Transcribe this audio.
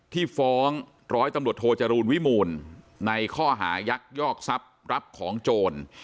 ที่ฟ้องร้อยตำรวจโทจรูลวิมูลในข้อหายักยอกทรัพย์รับของโจร